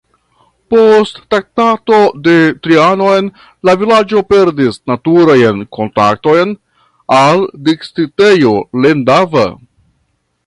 Post Traktato de Trianon la vilaĝo perdis naturajn kontaktojn al distriktejo Lendava.